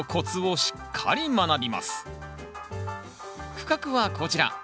区画はこちら。